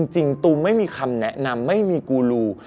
ตูมไม่มีคำแนะนำไม่มีกูรู